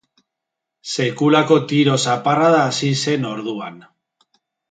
Sekulako tiro zaparrada hasi zen orduan.